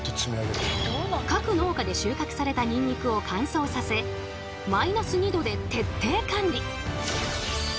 各農家で収穫されたニンニクを乾燥させマイナス２℃で徹底管理。